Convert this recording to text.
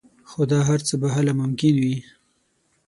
خو دا هر څه به هله ممکن وي